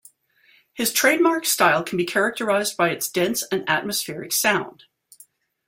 His trademark style can be characterised by its dense and atmospheric sound.